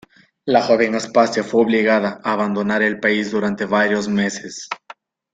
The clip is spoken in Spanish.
La joven Aspasia fue obligada a abandonar el país durante varios meses.